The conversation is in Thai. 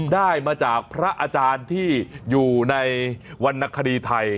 ได้มาจากพระอาจารย์ที่อยู่ในวรรณคดีไทย